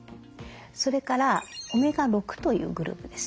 それからオメガ６というグループですね。